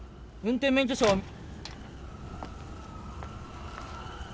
運転免許証を。